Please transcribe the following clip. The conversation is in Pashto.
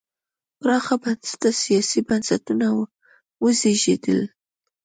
پراخ بنسټه سیاسي بنسټونه وزېږېدل.